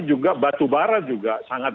juga batu bara juga sangat